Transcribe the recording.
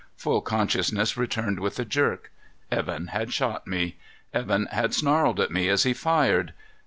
Full consciousness returned with a jerk. Evan had shot me. Evan had snarled at me as he fired.